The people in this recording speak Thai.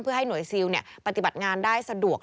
เพื่อให้หน่วยซิลปฏิบัติงานได้สะดวก